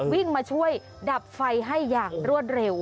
วิ่งมาช่วยดับไฟให้อย่างรวดเร็ว